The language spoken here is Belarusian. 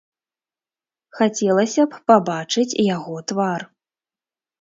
Хацелася б пабачыць яго твар.